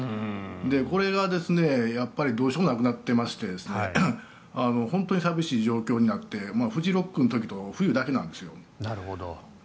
これがどうしようもなくなっていまして本当に寂しい状況になってフジロックの時と冬だけなんですよ。